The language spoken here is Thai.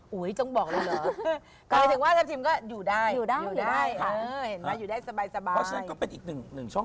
ไปถึงว่าทัพทิมก็อยู่ได้